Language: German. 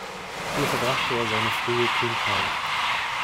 Hier verbrachte er seine frühe Kindheit.